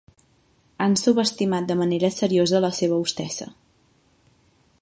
Han subestimat de manera seriosa la seva hostessa.